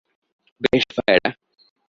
বেশ, ভাইয়েরা।